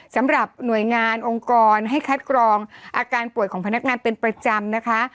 สำหรับหน่วยงานองค์กรให้คัดกรองอาการป่วยของพนักงานเป็นประจำนะคะ